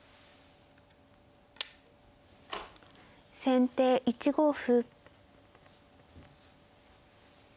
先手１五歩。